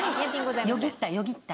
よぎったよぎった。